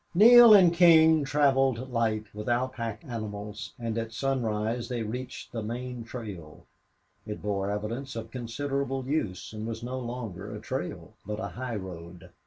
10 Neale and King traveled light, without pack animals, and at sunrise they reached the main trail. It bore evidence of considerable use and was no longer a trail, but a highroad.